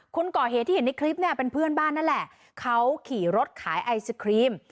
คนก่อเหตุที่เห็นในคลิปเนี่ยเป็นเพื่อนบ้านนั่นแหละเขาขี่รถขายไอศครีม